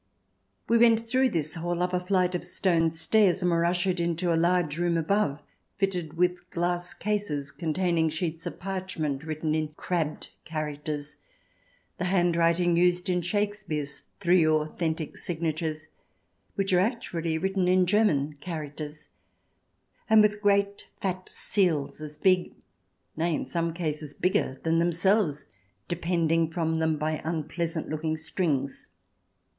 We went through this hall up a flight of stone stairs, and were ushered into a large room above fitted with glass cases containing sheets of parchment written in crabbed characters — the hand writing used in Shakespeare's three authentic signatures, which are actually written in German characters — and with great fat seals as big, nay, in some cases bigger, than themselves, depending from them by unpleasant looking strings.